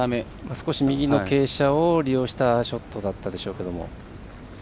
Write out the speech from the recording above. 少し右の傾斜を利用したショットだったでしょうけど。